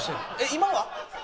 今は！？